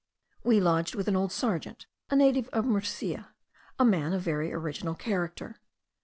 We lodged with an old sergeant, a native of Murcia, a man of a very original character.